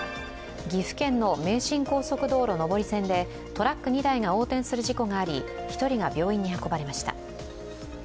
岐阜県の名神高速道路上り線でトラック２台が横転する事故があり１人が病院に運ばれました。